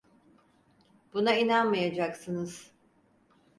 Buna inanmayacaksınız.